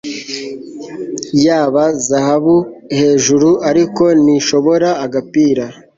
yaba zahabuhejuru ariko ntishobora agapira